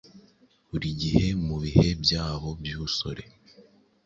Buri gihe mubihe byabo byubusore,